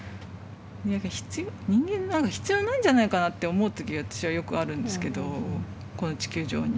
何か必要人間なんか必要ないんじゃないかなって思う時が私はよくあるんですけどこの地球上に。